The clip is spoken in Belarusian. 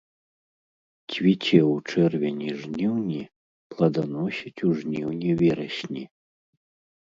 Цвіце ў чэрвені-жніўні, пладаносіць у жніўні-верасні.